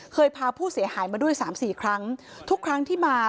พาผู้เสียหายมาด้วยสามสี่ครั้งทุกครั้งที่มา